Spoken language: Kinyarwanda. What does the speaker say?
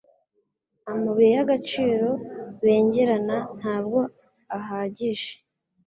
Amabuye y'agaciro bengerana ntabwo ahagije.